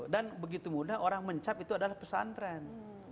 dan begitu mudah orang mencap itu adalah pesantren